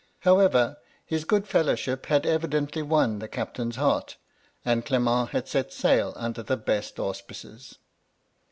However, his good fellowship had evidently won the captain's heart, and Clement had set sail under the best auspices.